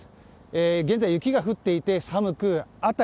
現在、雪が降っていて寒く辺り